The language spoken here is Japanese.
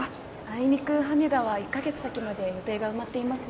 あいにく羽田は１カ月先まで予定が埋まっています